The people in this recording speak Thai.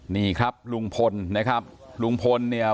นี่ครับลุงพลนะครับลุงพลเนี่ย